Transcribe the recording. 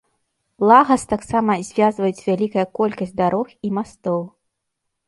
Лагас таксама звязваюць вялікая колькасць дарог і мастоў.